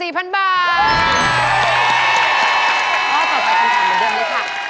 ข้อต่อไปคำถามเหมือนเดิมเลยค่ะ